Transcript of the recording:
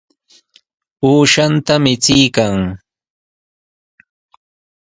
Uushanta michiykan.